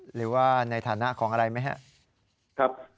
หรือว่าในฐานะของอะไรไหมครับ